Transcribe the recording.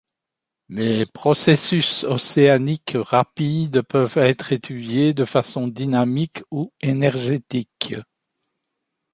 Les processus océaniques rapides peuvent être étudiés de façon dynamique ou énergétique.